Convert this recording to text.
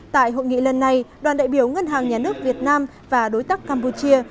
tại hội nghị lần này đoàn đại biểu ngân hàng nhà nước việt nam và đối tác campuchia